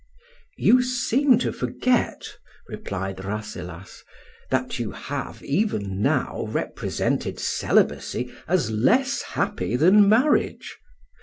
"You seem to forget," replied Rasselas, "that you have, even now represented celibacy as less happy than marriage.